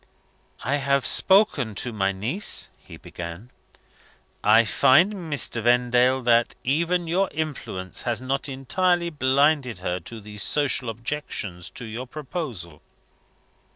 "I have spoken to my niece," he began. "I find, Mr. Vendale, that even your influence has not entirely blinded her to the social objections to your proposal."